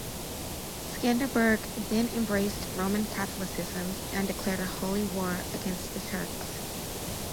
Skanderbeg then embraced Roman Catholicism and declared a holy war against the Turks.